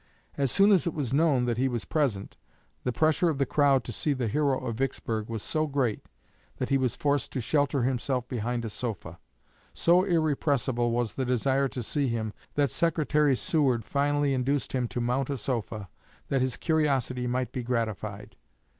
"As soon as it was known that he was present, the pressure of the crowd to see the hero of Vicksburg was so great that he was forced to shelter himself behind a sofa. So irrepressible was the desire to see him that Secretary Seward finally induced him to mount a sofa, that this curiosity might be gratified.